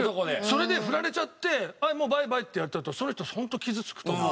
それでフラれちゃってもうバイバイってやっちゃうとその人ホント傷つくと思う。